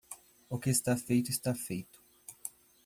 O que está feito está feito